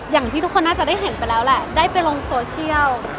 อย่างที่ทุกคนน่าจะได้เห็นไปแล้วแหละได้ไปลงโซเชียล